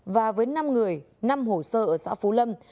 và với năm người năm hồ sơ ở xã phú lâm